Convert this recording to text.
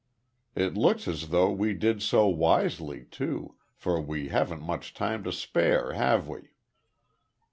It looks as though we did so wisely, too; for we haven't much time to spare, have we?"